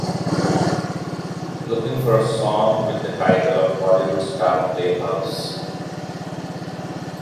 Looking for a song with the title of Hollywood Star Playhouse